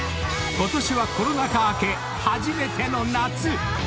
［今年はコロナ禍明け初めての夏！］